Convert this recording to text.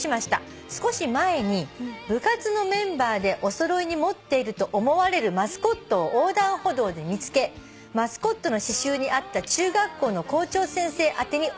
「少し前に部活のメンバーでお揃いに持っていると思われるマスコットを横断歩道で見つけマスコットの刺しゅうにあった中学校の校長先生宛てに送りました」